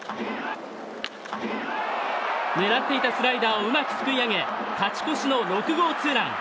狙っていたスライダーをうまくすくい上げ勝ち越しの６号ツーラン。